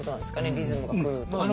リズムが狂うと。